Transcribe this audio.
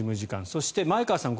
そして前川さん